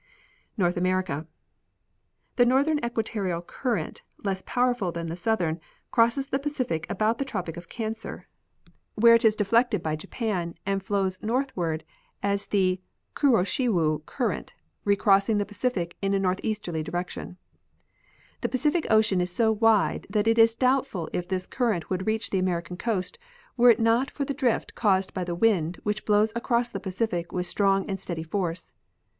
North America. The northern equatorial current, less powerful than the south ern, crosses the Pacific about the tropic of Cancer, where it is 116 G. G. Hubbard — Air and Water, Temj^erature and Life. deflected by Japan, and flows northward as the Kuroshiwo current, recrossing the Pacific in a northeasterly direction. The Pacific ocean is so wide that it is doubtful if this current would reach the American coast were it not for the drift caused by the wind which blows across the Pacific with strong and steady force.